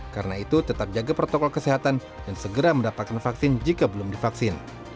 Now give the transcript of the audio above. karena itu tetap jaga protokol kesehatan dan segera mendapatkan vaksin jika belum divaksin